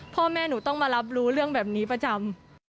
พ่อแม่หนูต้องมารับรู้เรื่องแบบนี้ประจำ